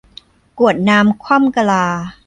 กรวดน้ำคว่ำกะลา